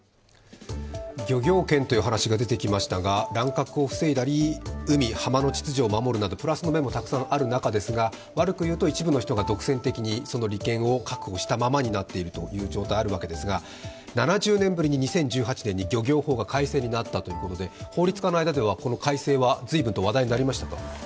漁業権という話が出てきましたが、乱獲を防いだり、海・浜の秩序を守るなどプラスの面もたくさんある中ですが、悪くいうと、一部の人が独占的にその利権を確保したままであるということですが７０年ぶりに２０１８年に漁業法が改正になったということで法律家の間ではこの改正は随分と話題になりましたか？